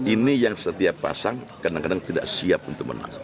ini yang setiap pasang kadang kadang tidak siap untuk menang